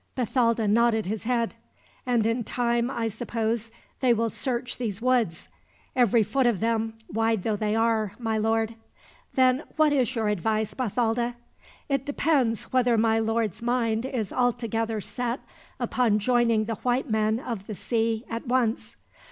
Bathalda nodded his head. "And in time, I suppose, they will search these woods?" "Every foot of them, wide though they are, my lord." "Then what is your advice, Bathalda?" "It depends whether my lord's mind is altogether set upon joining the white men of the sea, at once."